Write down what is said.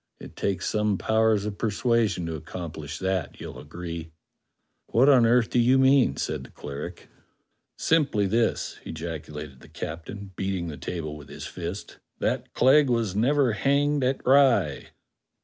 "It takes some powers of persuasion to accomplish that, you'll agree." "What on earth do you mean? " said the cleric. "Simply this," ejaculated the captain, beating the table with his fist, "that Clegg was never hanged at Rye."